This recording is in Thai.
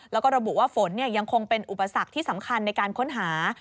แล้วก็ระบุว่าฝนยังคงเป็นอุปสรรคที่สำคัญในการค้นหา